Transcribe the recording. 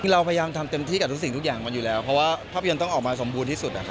คือเราพยายามทำเต็มที่กับทุกสิ่งทุกอย่างมันอยู่แล้วเพราะว่าภาพยนตร์ต้องออกมาสมบูรณ์ที่สุด